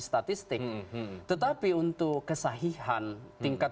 statistik tetapi untuk kesahihan tingkat